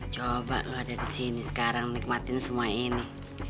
coba loh ada di sini sekarang nikmatin semua ini